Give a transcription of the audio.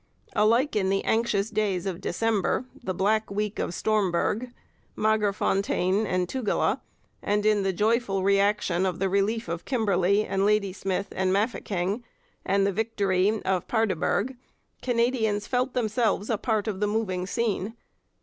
Alike in the anxious days of December, the black week of Stormberg, Magersfontein, and Tugela, and in the joyful reaction of the relief of Kimberley and Ladysmith and Mafeking and the victory of Paardeberg, Canadians felt themselves a part of the moving scene.